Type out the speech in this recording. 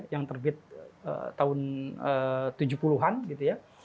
yang terbit tahun tujuh puluh an gitu ya